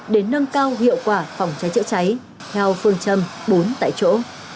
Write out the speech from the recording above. để nâng cao hiệu quả phòng cháy chữa cháy theo phương châm bốn tại chỗ